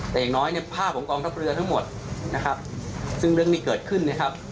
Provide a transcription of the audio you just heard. แต่อย่างน้อยเนี่ยภาพของกองทัพเรือทั้งหมดนะครับซึ่งเรื่องนี้เกิดขึ้นนะครับ